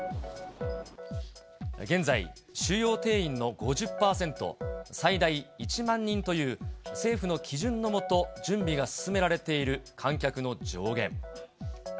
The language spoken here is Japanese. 現在、収容定員の５０％、最大１万人という、政府の基準のもと、準備が進められている観客の上限。